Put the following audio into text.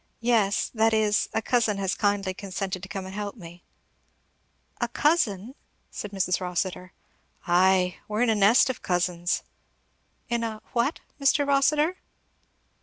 "Yes that is, a cousin has kindly consented to come and help me." "A cousin!" said Mrs. Rossitur. "Ay, we're in a nest of cousins." "In a what, Mr. Rossitur?"